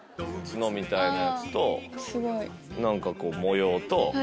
角みたいなやつと何か模様と。